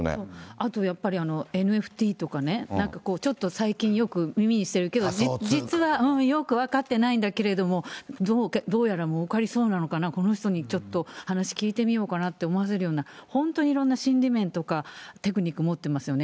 あとやっぱり、ＮＦＴとかね、こう最近ちょっとよく耳にしてる、実はよく分かっていないんだけれども、どうやらもうかりそうなのかな、この人にちょっと話聞いてみようかなと思わせるような、本当にいろんな心理面とか、テクニック持ってますよね。